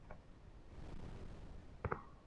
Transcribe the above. কী করেছিলাম, তাতে কিছু আসে যায় না।